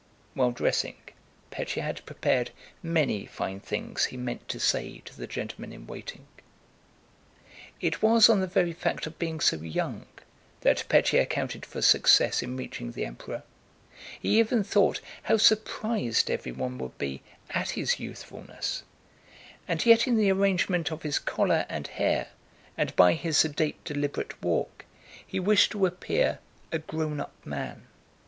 While dressing, Pétya had prepared many fine things he meant to say to the gentleman in waiting. It was on the very fact of being so young that Pétya counted for success in reaching the Emperor—he even thought how surprised everyone would be at his youthfulness—and yet in the arrangement of his collar and hair and by his sedate deliberate walk he wished to appear a grown up man.